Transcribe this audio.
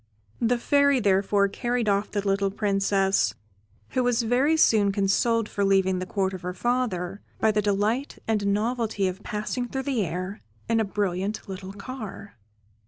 The Fairy therefore carried off the little Princess, who was very soon consoled for leaving the Court of her father, by the delight and novelty of passing through the air in a brilliant little car.